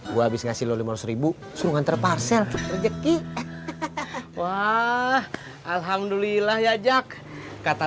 gue habis ngasih lo lima ratus ribu suruh ngantar parsel rejeki wah alhamdulillah ya jack kata